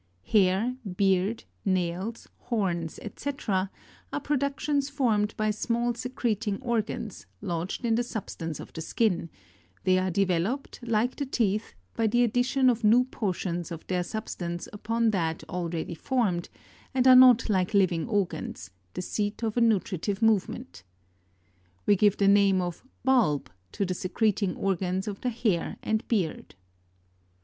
14. Hair, beard, nails, horns, &c, are productions formed by small secreting organs, lodged in the substance of the skin ; they are developed, like the teeth, by the addition of new portions of their substance upon that already formed, and are not like living organs, the seat of a nutritive movement. We give the name of bulb, to the secreting organs of the hair and beard.